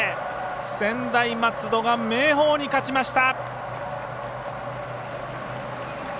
専大松戸が明豊に勝ちました。